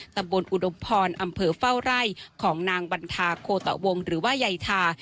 อุดมพรอำเภอเฝ้าไร่ของนางบัณฑาโคตะวงหรือว่ายายทา